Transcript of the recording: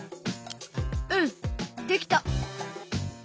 うんできた。